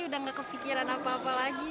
udah gak kepikiran apa apa lagi